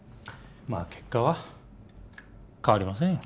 まあ結果は変わりませんよ